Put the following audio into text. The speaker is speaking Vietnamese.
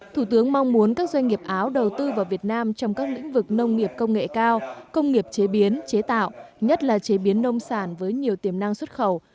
thủ tướng mong muốn các doanh nghiệp áo đầu tư vào việt nam trong các lĩnh vực nông nghiệp công nghệ cao công nghiệp chế biến chế tạo nhất là chế biến nông sản với nhiều tiềm năng xuất khẩu